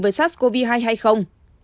với sars cov hai hay không